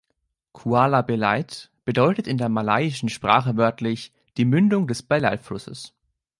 „Kuala Belait“ bedeutet in der malaiischen Sprache wörtlich „die Mündung des Belait-Flusses“.